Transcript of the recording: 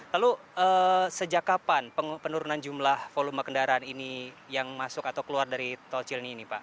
lalu sejak kapan penurunan jumlah volume kendaraan ini yang masuk atau keluar dari tol cileni ini pak